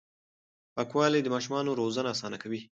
پاکوالي د ماشومانو روزنه اسانه کوي.